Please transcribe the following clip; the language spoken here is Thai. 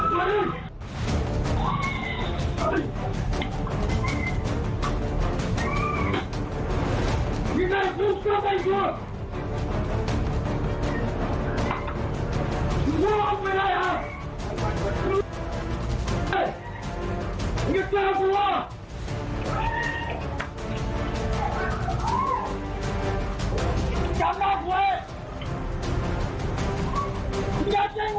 ตามไปเลยเจ้าพวกมันอยู่ที่สุดท้าย